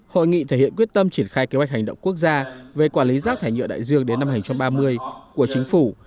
hội nghị thể hiện quyết tâm triển khai kế hoạch hành động quốc gia về quản lý rác thải nhựa đại dương đến năm hai nghìn ba mươi của chính phủ